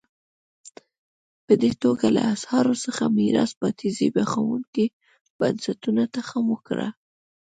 په دې توګه له استعمار څخه میراث پاتې زبېښونکو بنسټونو تخم وکره.